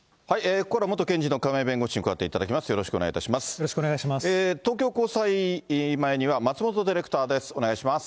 ここからは元検事の亀井弁護士に加わっていただきます。